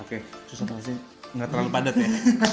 oke susah terlalu padat ya